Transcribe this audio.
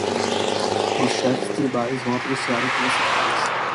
Os chefes tribais vão apreciar o que você faz.